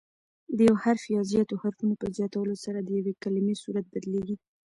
د یو حرف یا زیاتو حروفو په زیاتوالي سره د یوې کلیمې صورت بدلیږي.